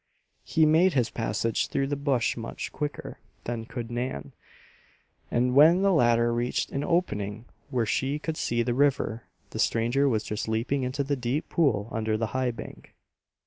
He made his passage through the bush much quicker than could Nan, and when the latter reached an opening where she could see the river, the stranger was just leaping into the deep pool under the high bank.